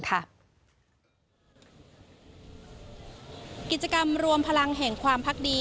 กิจกรรมรวมพลังแห่งความพักดี